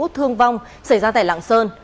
thương vong xảy ra tại lạng sơn